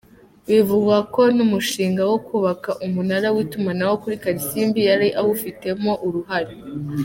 Bivugwa ko n’umushinga wo kubaka umunara w’itumanaho kuri Kalisimbi yari awufitemo uruhare.